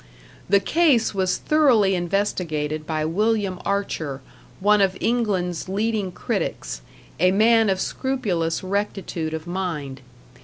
The case was thoroughly investigated by William Archer, one of England's leading critics, a man of scrupulous rectitude of mind.